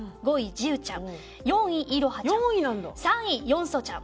ジウちゃん４位イロハちゃん３位ヨンソちゃん